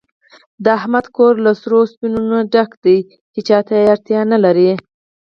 د احمد کور له سرو سپینو نه ډک دی، هېچاته اړتیا نه لري.